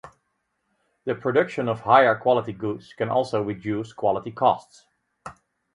The production of higher quality goods can also reduce quality costs.